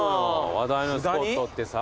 話題のスポットってさ。